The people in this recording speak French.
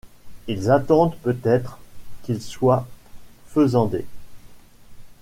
Ils attendent peut-être qu’il soit faisandé!